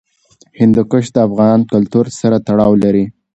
هندوکش د افغان کلتور سره تړاو لري.